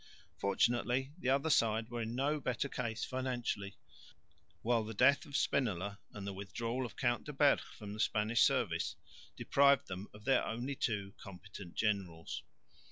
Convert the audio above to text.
Fortunately the other side were in no better case financially, while the death of Spinola and the withdrawal of the Count de Berg from the Spanish service deprived them of their only two competent generals.